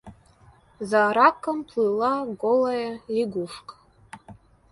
За раком плыла голая лягушка.